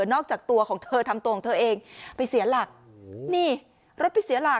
นอกจากตัวของเธอทำตัวของเธอเองไปเสียหลักนี่รถไปเสียหลัก